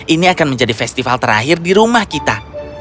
ini akan menjadi festival terakhir di rumah kita